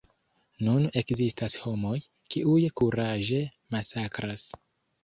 Nun ekzistas homoj, kiuj kuraĝe masakras.